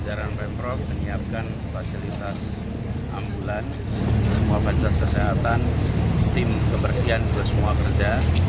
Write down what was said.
jajaran pemprov menyiapkan fasilitas ambulans semua fasilitas kesehatan tim kebersihan juga semua kerja